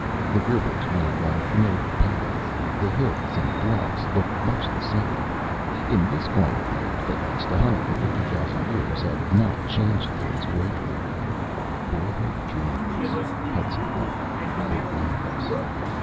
The rivers ran along familiar paths, the hills and bluffs looked much the same. In this corner of the Earth, at least, 150,000 years had not changed things greatly. Boyhood dreams, Hudson thought, were wondrous.